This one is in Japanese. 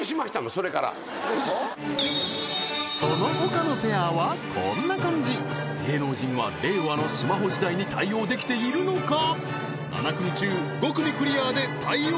それからそのほかのペアはこんな感じ芸能人は令和のスマホ時代に対応できているのか？